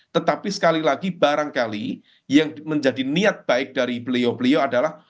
tetapi sekali lagi barangkali yang menjadi niat baik dari beliau beliau adalah